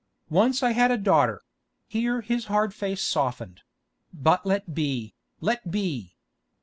Once I had a daughter"—here his hard face softened—"but let be, let be!